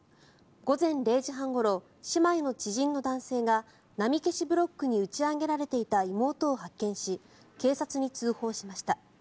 午前０時半ごろ姉妹の知人の男性が波消しブロックに打ち上げられていた妹を発見し警察に通報しました。